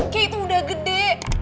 kay tuh udah gede